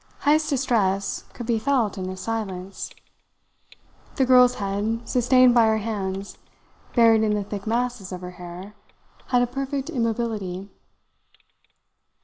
Heyst's distress could be felt in his silence. The girl's head, sustained by her hands buried in the thick masses of her hair, had a perfect immobility.